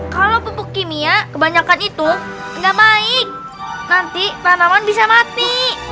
kalau pupuk kimia kebanyakan itu nggak baik nanti tanaman bisa mati